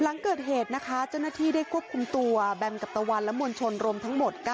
หลังเกิดเหตุนะคะเจ้าหน้าที่ได้ควบคุมตัวแบมกับตะวันและมวลชนรวมทั้งหมด